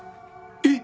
えっ？